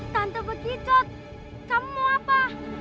tentu begitu kamu mau apa